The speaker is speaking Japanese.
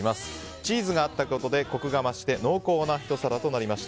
チーズがあったことでコクが増して濃厚なひと皿になりました。